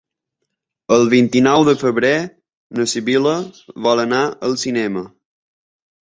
El vint-i-nou de febrer na Sibil·la vol anar al cinema.